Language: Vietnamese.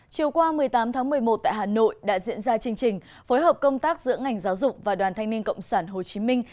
chiều qua một mươi tám tháng một mươi một tại hà nội đã diễn ra chương trình phối hợp công tác giữa ngành giáo dục và đoàn thanh niên cộng sản hồ chí minh